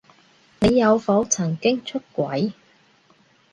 你有否曾經出軌？